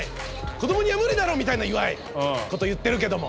子どもには無理だろみたいな岩井こと言ってるけども。